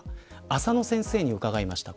浅野先生に伺いました。